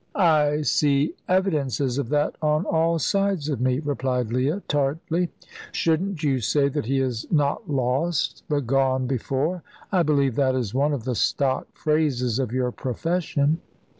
"I see evidences of that on all sides of me," replied Leah, tartly. "Shouldn't you say that he is not lost but gone before? I believe that is one of the stock phrases of your profession."